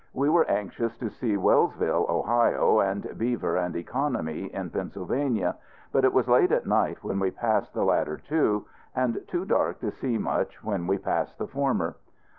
We were anxious to see Wellsville, Ohio, and Beaver and Economy in Pennsylvania; but it was late at night when we passed the latter two, and too dark to see much when we passed the former.